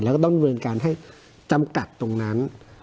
แล้วก็ต้องรวมการให้จำกัดตรงนั้น